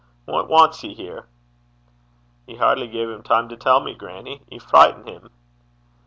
What wants he here?' 'Ye hardly gae him time to tell me, grannie. Ye frichtit him.'